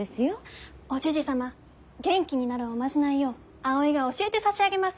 おじじ様元気になるおまじないを葵が教えてさしあげます。